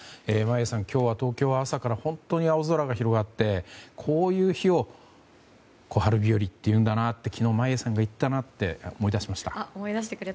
眞家さん、今日は東京は朝から本当に青空が広がってこういう日を小春日和っていうんだなと昨日、眞家さんが言っていたなと思い出しました。